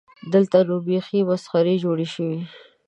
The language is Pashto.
دلته نو بیخي مسخرې جوړې شوې.